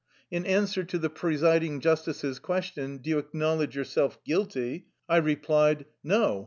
In answer to the presiding justice's question: " Do you acknowledge yourself guilty? " I replied : "No.